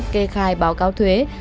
kê khai báo cáo thuế